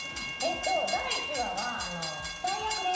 第１話は死体役です。